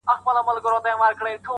زه دا څو ورځې ناحقه وکنځل شوم